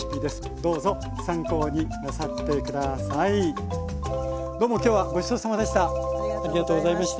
どうも今日はごちそうさまでした。